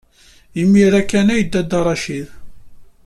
Imir-a kan ay yedda Dda Racid.